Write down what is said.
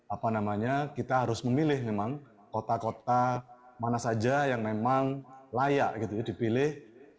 apa namanya kita harus memilih memang kota kota mana saja yang memang layak gitu ya dipilih